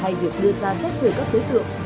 hay việc đưa ra xét xử các tối tượng